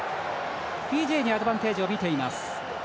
フィジーにアドバンテージを見ています。